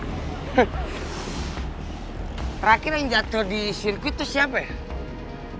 terakhir yang jatoh di sirkuit tuh siapa ya